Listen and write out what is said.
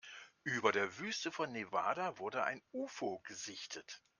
Über der Wüste von Nevada wurde ein Ufo gesichtet.